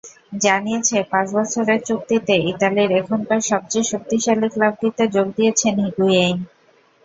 জানিয়েছে, পাঁচ বছরের চুক্তিতে ইতালির এখনকার সবচেয়ে শক্তিশালী ক্লাবটিতে যোগ দিয়েছেন হিগুয়েইন।